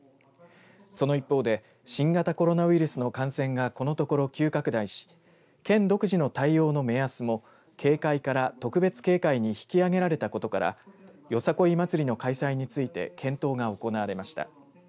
その一方で新型コロナウイルスの感染がこのところ急拡大し県独自の対応の目安も警戒から特別警戒に引き上げられたことからよさこい祭りの開催について検討が行われました。